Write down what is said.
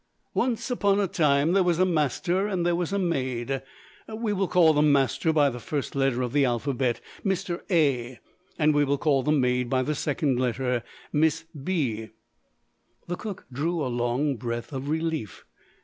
"Once upon a time, there was a master and there was a maid. We will call the master by the first letter of the alphabet Mr. A. And we will call the maid by the second letter Miss B." The cook drew a long breath of relief.